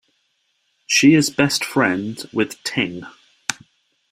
She is best friend with Ting.